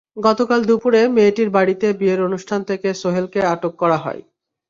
গতকাল দুপুরে মেয়েটির বাড়িতে বিয়ের অনুষ্ঠান থেকে সোহেলকে আটক করা হয়।